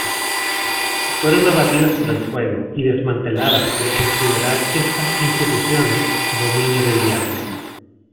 Fueron abatidas por el fuego y desmanteladas por considerar estas instituciones, "dominio del diablo".